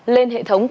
lên hệ thống vnaid